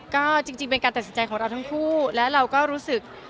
ก็จริงเป็นการตัดสินใจของเราทั้งคู่และเราก็รู้สึก